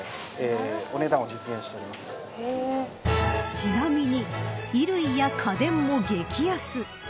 ちなみに衣類や家電も激安。